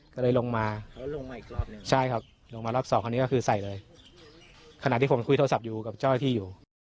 ก็เลยลงมาแล้วลงมาอีกรอบหนึ่งใช่ครับลงมารอบสองคันนี้ก็คือใส่เลยขณะที่ผมคุยโทรศัพท์อยู่กับเจ้าหน้าที่อยู่